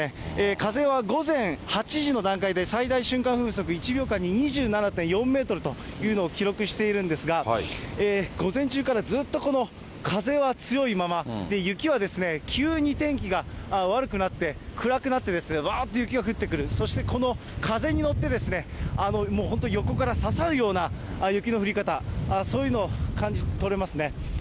風は午前８時の段階で、最大瞬間風速１秒間に２７．４メートルというのを記録しているんですが、午前中からずっとこの風は強いまま、雪は急に天気が悪くなって、暗くなって、わーっと雪が降ってくる、そしてこの風に乗って、もう本当、横から刺さるような雪の降り方、そういうのを感じ取れますね。